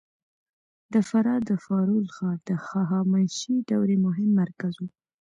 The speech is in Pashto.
د فراه د فارول ښار د هخامنشي دورې مهم مرکز و